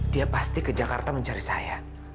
dia pasti ke jakarta mencari saya